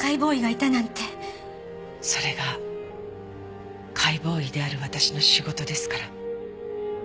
それが解剖医である私の仕事ですから。